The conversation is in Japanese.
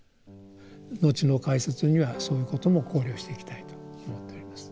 後の解説にはそういうことも考慮していきたいと思っております。